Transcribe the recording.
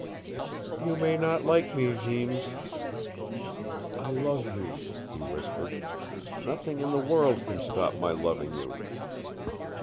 "You may not like me, Jeems." "I love you," he whispered. "Nothing in the world can stop my loving you."